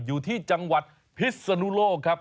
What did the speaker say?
อยู่ที่จังหวัดพิศนุโลกครับ